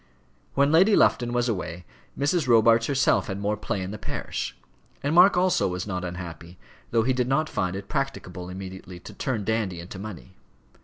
When Lady Lufton was away Mrs. Robarts herself had more play in the parish. And Mark also was not unhappy, though he did not find it practicable immediately to turn Dandy into money.